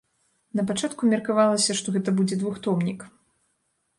Напачатку меркавалася, што гэта будзе двухтомнік.